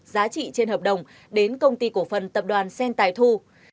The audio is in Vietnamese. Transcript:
giá trị trên hợp đồng đến công ty cổ phần tập đoàn sen tài thu